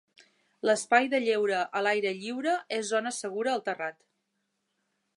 L'espai de lleure a l'aire lliure és zona segura al terrat.